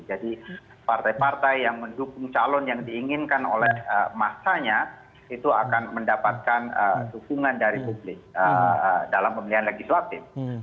jadi partai partai yang mendukung calon yang diinginkan oleh masanya itu akan mendapatkan dukungan dari publik dalam pemilihan legislatif